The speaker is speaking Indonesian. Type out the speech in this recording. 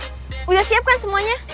sudah siap kan semuanya